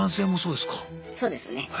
そうですね。